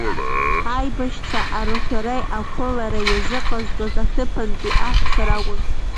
Аибашьцәа арҳәреи ақәылареи иазыҟазҵоз аҭыԥантәи аҳәса ракәын.